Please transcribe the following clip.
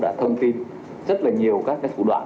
đã thông tin rất là nhiều các thủ đoạn